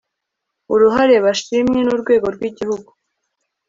uruhare bashimwe n'urwego rw'igihugu